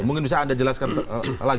mungkin bisa anda jelaskan lagi